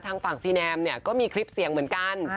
ทางฝั่งซีแนมเนี่ยก็มีคลิปเสียงเหมือนกัน